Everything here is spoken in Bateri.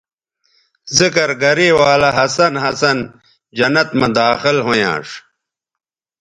ذکر گرے ولہ ہسن ہسن جنت مہ داخل ھویانݜ